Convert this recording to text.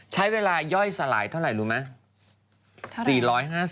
ใช้เวลาย่อยสลายเท่าไหร่รู้ไหม